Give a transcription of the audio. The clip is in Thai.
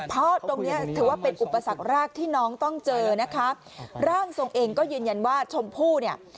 เพราะตรงเนี้ยถือว่าเป็นอุปสรรคแรกที่น้องต้องเจอนะคะร่างทรงเองก็ยืนยันว่าชมพู่เนี่ย